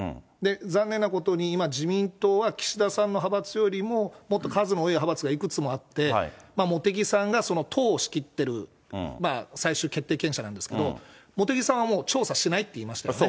残念なことに、今、自民党は岸田さんの派閥よりも、もっと数の多い派閥がいくつもあって、茂木さんがその党を仕切っている最終決定権者なんですけど、茂木さんはもう調査しないって言いましたよね。